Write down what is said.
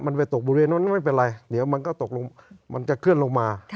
มันไปตกบริเวณนั้นไม่เป็นไรเดี๋ยวมันก็ตกลงมันจะเคลื่อนลงมา